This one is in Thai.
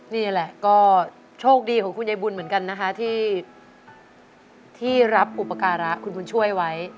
นี่แหละก็โชคดีของคุณยายบุญเหมือนกันนะคะที่รับอุปการะคุณบุญช่วยไว้